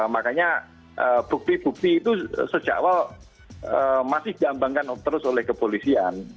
makanya bukti bukti itu sejak awal masih diambangkan terus oleh kepolisian